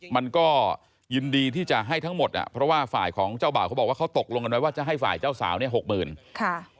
มันก็ยินดีที่จะให้ทั้งหมดอ่ะเพราะว่าฝ่ายของเจ้าบ่าวเขาบอกว่าเขาตกลงกันไว้ว่าจะให้ฝ่ายเจ้าสาวเนี่ยหกหมื่นค่ะ